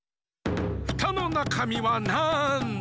フタのなかみはなんだ？